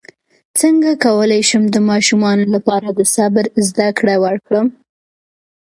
څنګه کولی شم د ماشومانو لپاره د صبر زدکړه ورکړم